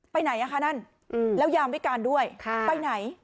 ไปไหนอ่ะคะนั่นแล้วยามวิการด้วยไปไหน